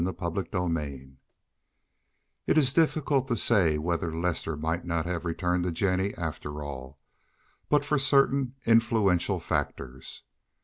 CHAPTER LVI It is difficult to say whether Lester might not have returned to Jennie after all but for certain influential factors.